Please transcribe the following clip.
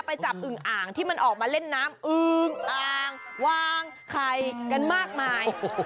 ไปจับอึงอ่างที่มันออกมาเล่นน้ำอึงอ่างวางไข่กันมากมาย